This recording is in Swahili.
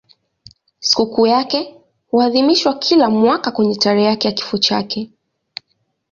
Sikukuu yake huadhimishwa kila mwaka kwenye tarehe ya kifo chake.